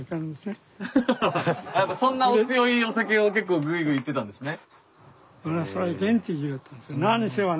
やっぱそんなお強いお酒を結構ぐいぐいいってたんですね。